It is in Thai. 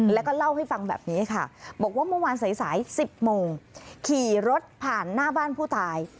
แล้วก็เล่าให้ฟังแบบนี้ค่ะบอกว่าเมื่อวานสาย๑๐โมงขี่รถผ่านหน้าบ้านผู้ตาย